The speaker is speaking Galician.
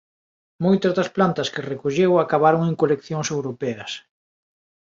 Moitas das plantas que recolleu acabaron en coleccións europeas.